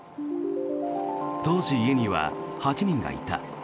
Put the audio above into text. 当時、家には８人がいた。